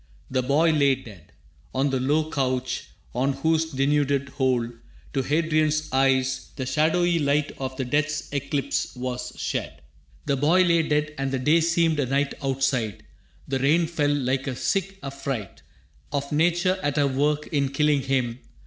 The boy lay dead On the low couch, on whose denuded whole, To Hadrian's eyes, that at their seeing bled, The shadowy light of Death's eclipse was shed. The boy lay dead and the day seemed a night Outside. The rain fell like a sick affright Of Nature at her work in killing him.